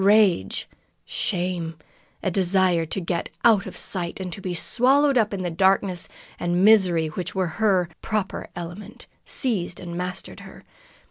Rage, shame, a desire to get out of sight, to be swallowed up in the darkness and misery which were her proper element, seized and mastered her.